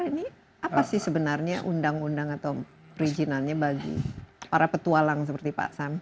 ini apa sih sebenarnya undang undang atau perizinannya bagi para petualang seperti pak sam